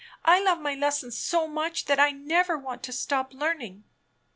I love my lessons so much that I never want to stop learning.